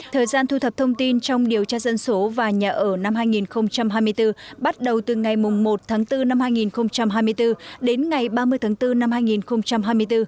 thời gian thu thập thông tin trong điều tra dân số và nhà ở năm hai nghìn hai mươi bốn bắt đầu từ ngày một tháng bốn năm hai nghìn hai mươi bốn đến ngày ba mươi tháng bốn năm hai nghìn hai mươi bốn